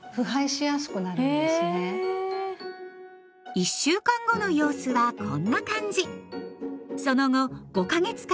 １週間後の様子はこんな感じ。